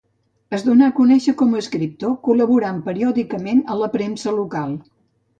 Es donà a conèixer com a escriptor col·laborant periòdicament a la premsa local.